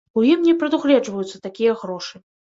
У ім не прадугледжваюцца такія грошы.